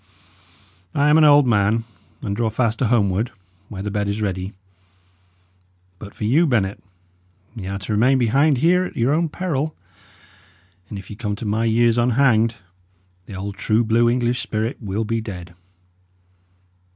I am an old man, and draw fast to homeward, where the bed is ready. But for you, Bennet, y' are to remain behind here at your own peril, and if ye come to my years unhanged, the old true blue English spirit will be dead."